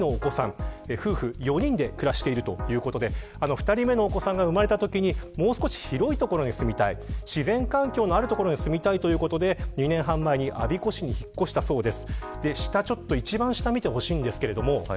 ２人目のお子さんが生まれたときに、もう少し広い自然環境のある所に住みたいということで２年半前に引っ越したそうです。